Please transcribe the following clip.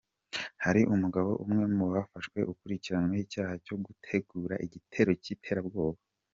Hari umugabo umwe mu bafashwe ukurikiranyweho icyaha cyo gutegura igitero cy’iterabwoba.